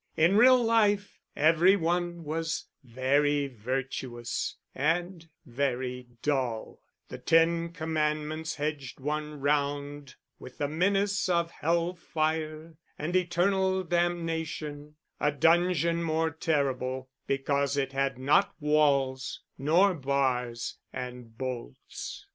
In real life every one was very virtuous and very dull; the ten commandments hedged one round with the menace of hell fire and eternal damnation, a dungeon more terrible because it had not walls, nor bars and bolts.